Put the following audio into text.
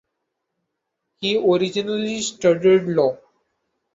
He originally studied law.